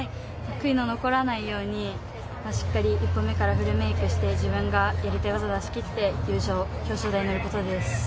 悔いの残らないようにしっかり１本目からフルメイクして自分がやりたい技をやり切って優勝することです。